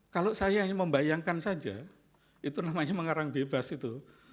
kalau saya hanya membayangkan saja itu namanya mengarang bebas itu